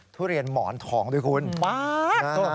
ทุเรียนหมอนทองด้วยคุณป๊าบ